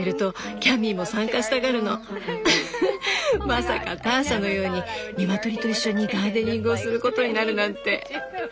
まさかターシャのように鶏と一緒にガーデニングをすることになるなんて！